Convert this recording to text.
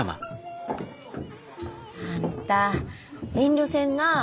あんた遠慮せんなあ。